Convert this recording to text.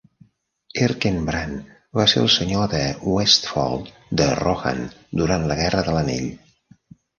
Erkenbrand va ser el senyor del Westfold de Rohan durant la Guerra de l'anell.